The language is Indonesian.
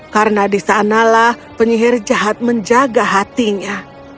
karena disanalah penyihir jahat menjaga hatinya